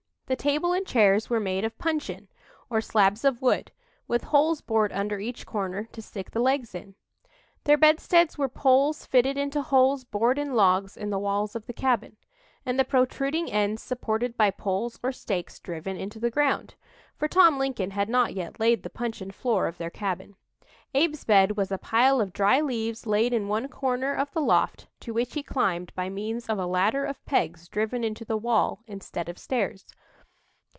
The table and chairs were made of "puncheon," or slabs of wood, with holes bored under each corner to stick the legs in. Their bedsteads were poles fitted into holes bored in logs in the walls of the cabin, and the protruding ends supported by poles or stakes driven into the ground, for Tom Lincoln had not yet laid the puncheon floor of their cabin. Abe's bed was a pile of dry leaves laid in one corner of the loft to which he climbed by means of a ladder of pegs driven into the wall, instead of stairs.